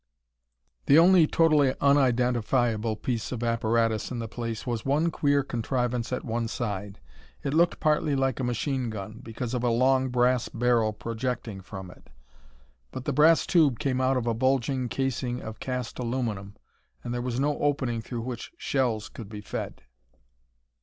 The only totally unidentifiable piece of apparatus in the place was one queer contrivance at one side. It looked partly like a machine gun, because of a long brass barrel projecting from it. But the brass tube came out of a bulging casing of cast aluminum and there was no opening through which shells could be fed.